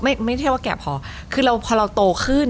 ไม่ใช่ว่าแก่พอคือเราพอเราโตขึ้น